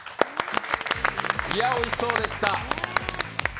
おいしそうでした。